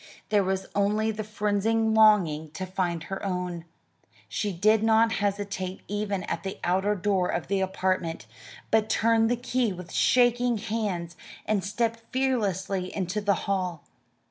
There was only the frenzied longing to find her own. She did not hesitate even at the outer door of the apartment, but turned the key with shaking hands and stepped fearlessly into the hall.